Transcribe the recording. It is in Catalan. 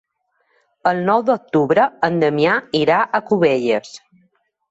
El nou d'octubre en Damià irà a Cubelles.